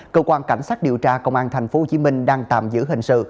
cơ quan cảnh sát điều tra công an tp hcm đang tạm giữ hình sự